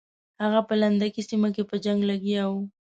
هغه په لنډکي سیمه کې په جنګ لګیا وو.